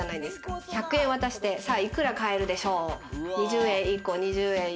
１００円渡して幾ら買えるでしょう。